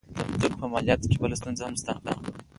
د مځکو په مالیاتو کې بله ستونزه هم شته.